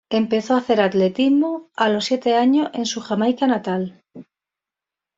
Empezó a hacer atletismo a los siete años en su Jamaica natal.